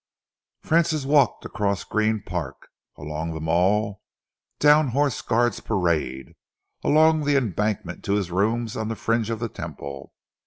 Francis walked across Green Park, along the Mall, down Horse Guards Parade, along the Embankment to his rooms on the fringe of the Temple.